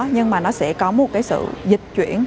nhưng mà nó sẽ có một sự dịch chuyển